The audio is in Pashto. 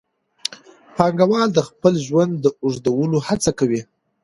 پانګوال د خپل ژوند د اوږدولو هڅه کوي